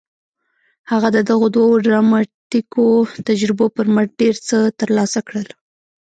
هغه د دغو دوو ډراماتيکو تجربو پر مټ ډېر څه ترلاسه کړل.